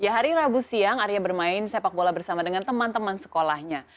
hari rabu siang arya bermain sepak bola bersama dengan teman teman sekolahnya